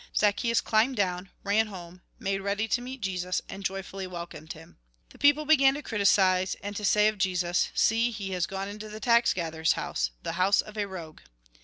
Zacchseus cKmbed down, ran home, made ready to meet Jesus, and joyfully welcomed him. The people began to criticise, and to say of Jesus :" See, he has gone into the tax gatherer's house, — the house of a rogue."